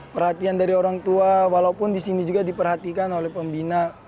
perhatian dari orang tua walaupun di sini juga diperhatikan oleh pembina